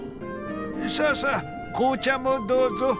さあさあ紅茶もどうぞ。